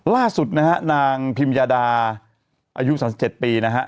ล่าสุดนะฮะนางพิมยาดาอายุ๓๗ปีนะฮะ